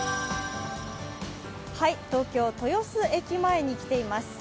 東京・豊洲駅前に来ています。